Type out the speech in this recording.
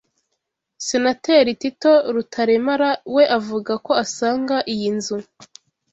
Senateri Tito Rutaremara we avuga ko asanga iyi nzu